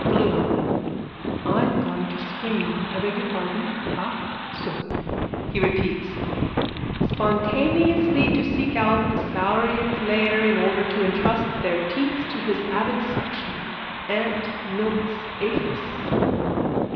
BLOOM: I am going to scream. I beg your pardon. Ah? So. (He repeats.) Spontaneously to seek out the saurian's lair in order to entrust their teats to his avid suction. Ant milks aphis.